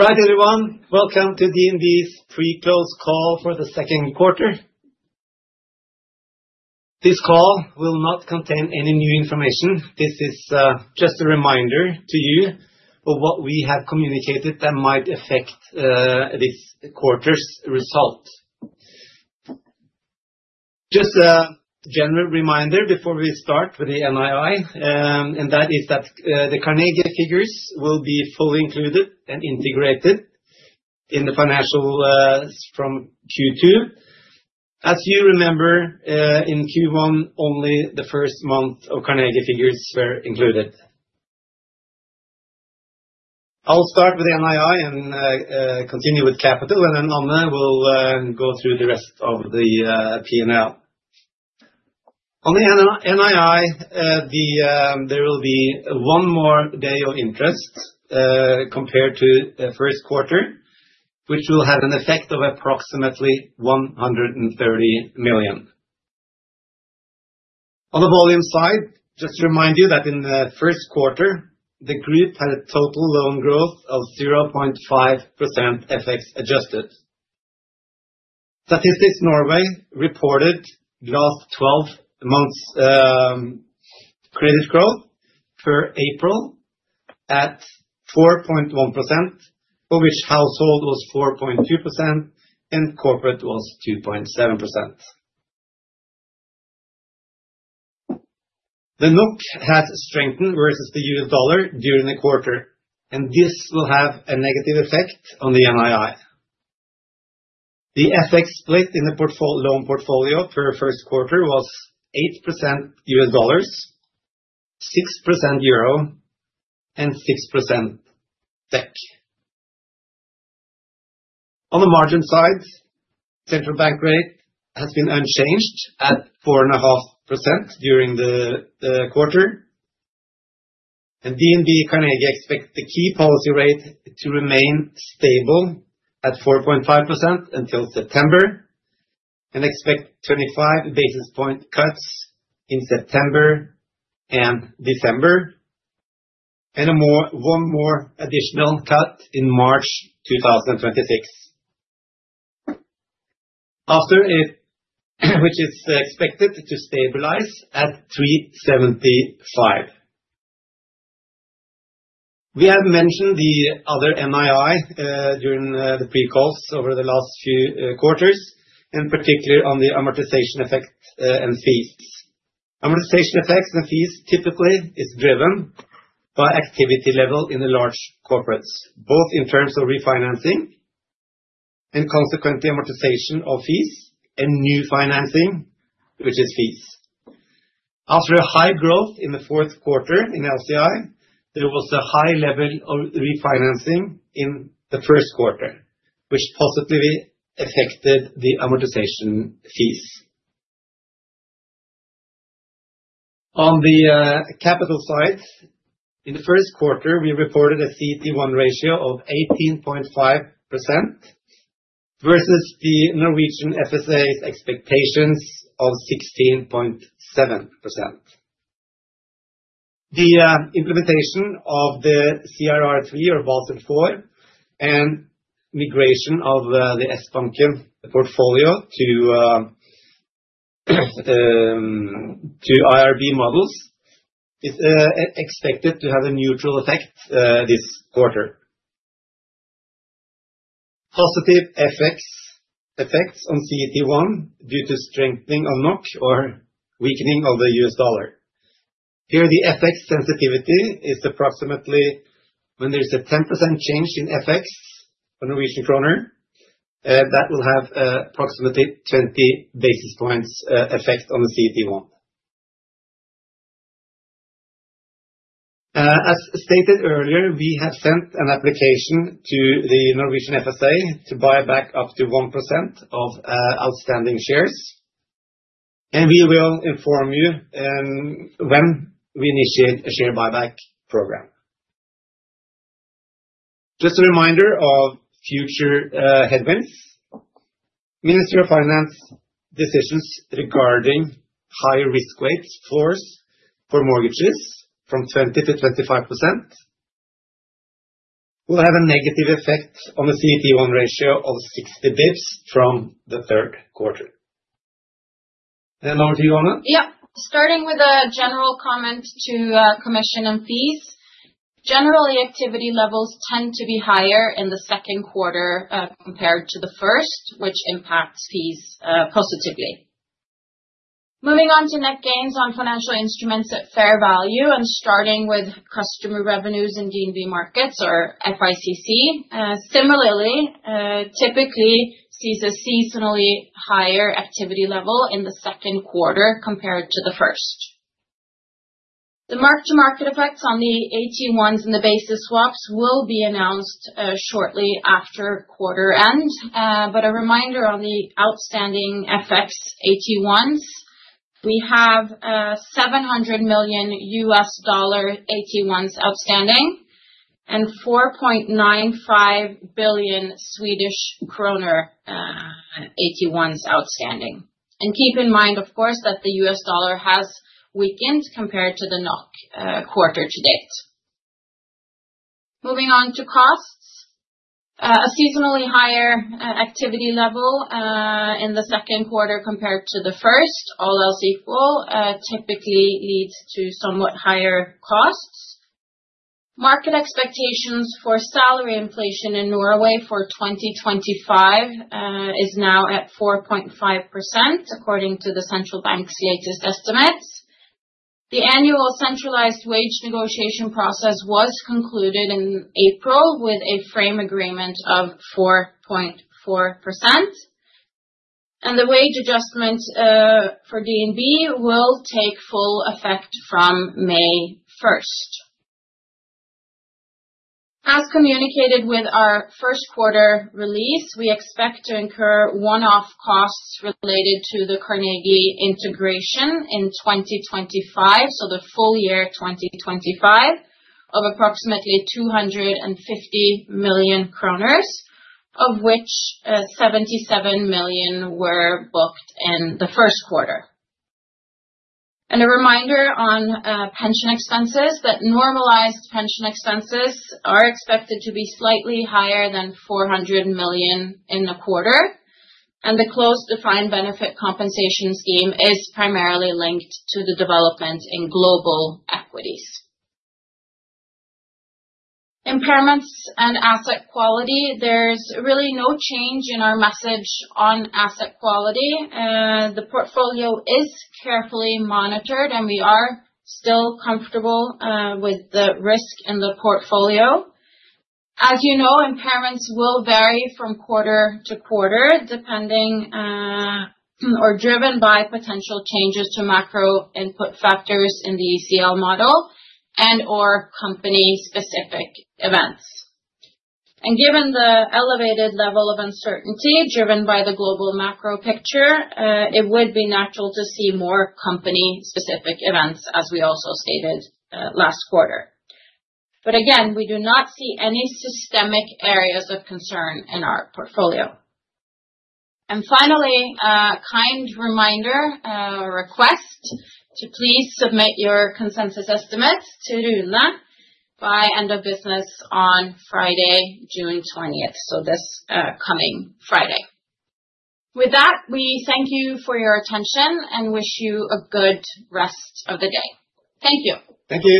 Right, everyone. Welcome to DNB's pre-close call for the second quarter. This call will not contain any new information. This is just a reminder to you of what we have communicated that might affect this quarter's result. Just a general reminder before we start with the NII, and that is that the Carnegie figures will be fully included and integrated in the financials from Q2. As you remember, in Q1, only the first month of Carnegie figures were included. I'll start with NII and continue with capital, and then Anne will go through the rest of the P&L. On the NII, there will be one more day of interest compared to the first quarter, which will have an effect of approximately 130 million. On the volume side, just to remind you that in the first quarter, the group had a total loan growth of 0.5% FX adjusted. Statistics Norway reported last 12 months' credit growth per April at 4.1%, for which household was 4.2% and corporate was 2.7%. The NOK has strengthened versus the US dollar during the quarter, and this will have a negative effect on the NII. The FX split in the loan portfolio per first quarter was 8% US dollars, 6% EUR, and 6% SEK. On the margin side, central bank rate has been unchanged at 4.5% during the quarter, and DNB Carnegie expects the key policy rate to remain stable at 4.5% until September and expects 25 basis point cuts in September and December, and one more additional cut in March 2026, which is expected to stabilize at 3.75%. We have mentioned the other NII during the pre-calls over the last few quarters, in particular on the amortization effect and fees. Amortization effects and fees typically are driven by activity level in the large corporates, both in terms of refinancing and consequently amortization of fees and new financing, which is fees. After a high growth in the fourth quarter in LCI, there was a high level of refinancing in the first quarter, which positively affected the amortization fees. On the capital side, in the first quarter, we reported a CT1 ratio of 18.5% versus the Norwegian FSA's expectations of 16.7%. The implementation of the CRR3 or Basel IV and migration of the S-Banken portfolio to IRB models is expected to have a neutral effect this quarter. Positive FX effects on CT1 due to strengthening of NOK or weakening of the US dollar. Here, the FX sensitivity is approximately when there is a 10% change in FX for the Norwegian kroner, that will have approximately 20 basis points effect on the CT1. As stated earlier, we have sent an application to the Norwegian FSA to buy back up to 1% of outstanding shares, and we will inform you when we initiate a share buyback program. Just a reminder of future headwinds. Ministry of Finance decisions regarding higher risk weight floors for mortgages from 20% to 25% will have a negative effect on the CT1 ratio of 60 basis points from the third quarter. And over to you, Anne. Yep. Starting with a general comment to commission and fees, generally, activity levels tend to be higher in the second quarter compared to the first, which impacts fees positively. Moving on to net gains on financial instruments at fair value, and starting with customer revenues in DNB markets, or FICC, similarly, typically sees a seasonally higher activity level in the second quarter compared to the first. The mark-to-market effects on the AT1s and the basis swaps will be announced shortly after quarter end, but a reminder on the outstanding FX AT1s. We have $700 million AT1s outstanding and SEK 4.95 billion AT1s outstanding. Keep in mind, of course, that the US dollar has weakened compared to the NOK quarter to date. Moving on to costs. A seasonally higher activity level in the second quarter compared to the first, all else equal, typically leads to somewhat higher costs. Market expectations for salary inflation in Norway for 2025 is now at 4.5%, according to the central bank's latest estimates. The annual centralized wage negotiation process was concluded in April with a frame agreement of 4.4%, and the wage adjustment for DNB will take full effect from May 1st. As communicated with our first quarter release, we expect to incur one-off costs related to the Carnegie integration in 2025, so the full year 2025, of approximately 250 million kroner, of which 77 million were booked in the first quarter. A reminder on pension expenses that normalized pension expenses are expected to be slightly higher than 400 million in the quarter, and the closed defined benefit compensation scheme is primarily linked to the development in global equities. Impairments and asset quality. There is really no change in our message on asset quality. The portfolio is carefully monitored, and we are still comfortable with the risk in the portfolio. As you know, impairments will vary from quarter to quarter or are driven by potential changes to macro input factors in the ECL model and/or company-specific events. Given the elevated level of uncertainty driven by the global macro picture, it would be natural to see more company-specific events, as we also stated last quarter. Again, we do not see any systemic areas of concern in our portfolio. Finally, a kind reminder request to please submit your consensus estimates to Rune by end of business on Friday, June 20, so this coming Friday. With that, we thank you for your attention and wish you a good rest of the day. Thank you. Thank you.